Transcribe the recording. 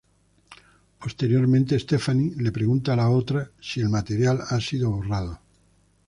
Posteriormente Stephanie le pregunta a la otra si el material ha sido borrado.